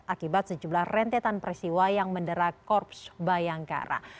akibat sejumlah rentetan peristiwa yang mendera korps bayangkara